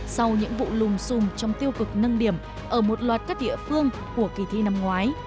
sau những vụ lùm xùm trong tiêu cực nâng điểm ở một loạt các địa phương của kỳ thi năm ngoái